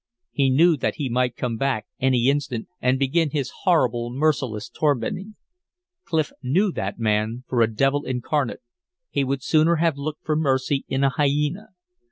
He knew that he might come back any instant and begin his horrible, merciless tormenting. Clif knew that man for a devil incarnate. He would sooner have looked for mercy in a hyena.